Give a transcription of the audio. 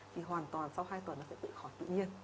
thì hoàn toàn sau hai tuần nó sẽ tự khỏi tự nhiên